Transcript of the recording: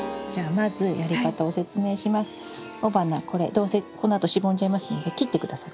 どうせこのあとしぼんじゃいますので切って下さい。